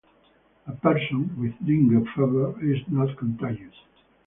A person with Dengue Fever is not contagious.